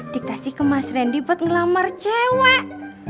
dikasih ke mas randy buat ngelamar cewek